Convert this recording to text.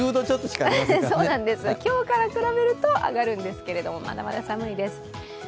今日から比べると上がるんですけども、まだまだ寒いです。